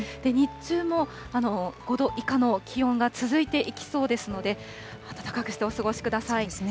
日中も５度以下の気温が続いていきそうですので、暖かくしてお過ごしください。